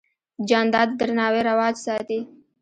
جانداد د درناوي رواج ساتي.